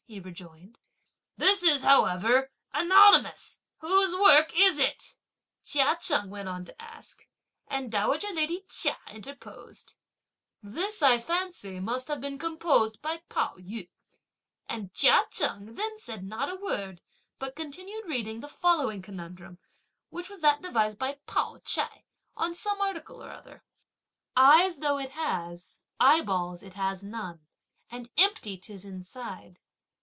he rejoined. "This is, however, anonymous; whose work is it?" Chia Cheng went on to ask, and dowager lady Chia interposed: "This, I fancy, must have been composed by Pao yü," and Chia Cheng then said not a word, but continued reading the following conundrum, which was that devised by Pao ch'ai, on some article or other: Eyes though it has; eyeballs it has none, and empty 'tis inside!